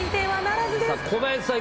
小林さん